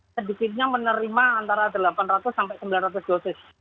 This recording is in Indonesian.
sedikitnya menerima antara delapan ratus sampai sembilan ratus dosis